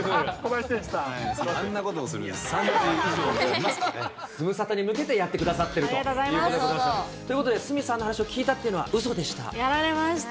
あんなことする３３歳なんてズムサタに向けてやってくださっているということで、鷲見さんの話を聞いたっていうのはうそやられました、